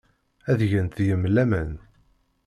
Ad gent deg-m laman.